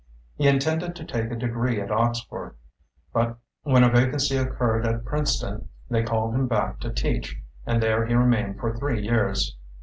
He intended to take a degree at Ox ford, but when a vacancy occurred at Princeton they caUed him back to teach and there he remained for three years.